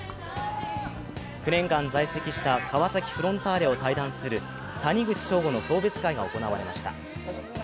９年間在籍した川崎フロンターレを退団する谷口彰悟の送別会が行われました。